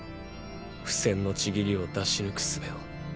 「不戦の契り」を出し抜く術を。